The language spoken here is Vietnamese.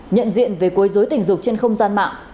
nhận diện về quê dối tình dục trên không gian mạng